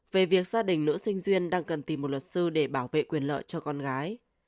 về việc gia đình nữ sinh duyên đang cần tìm một luật sư để bảo vệ quyền lợi cho con gái